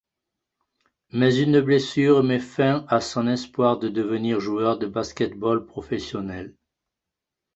Mais une blessure met fin à son espoir de devenir joueur de basket-ball professionnel.